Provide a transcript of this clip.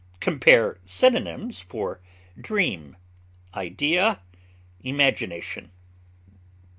Compare synonyms for DREAM; IDEA; IMAGINATION.